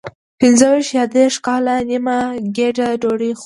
پنځه ویشت یا دېرش کاله نیمه ګېډه ډوډۍ خوري.